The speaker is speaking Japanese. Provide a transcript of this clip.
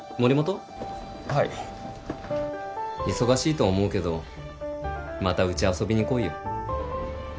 忙しいと思うけどまたうち遊びに来いよ。